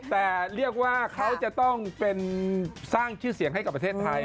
แต่เรียกว่าเขาจะต้องเป็นสร้างชื่อเสียงให้กับประเทศไทย